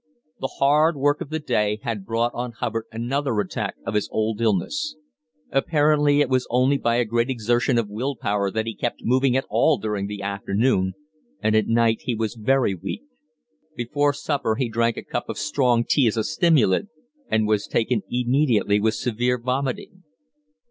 The hard work of the day had brought on Hubbard another attack of his old illness; apparently it was only by a great exertion of will power that he kept moving at all during the afternoon, and at night he was very weak. Before supper he drank a cup of strong tea as a stimulant, and was taken immediately with severe vomiting.